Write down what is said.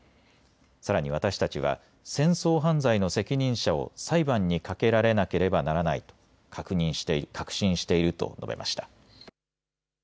さらに私たちは戦争犯罪の責任者を裁判にかけられなければならないと確信していると述べました。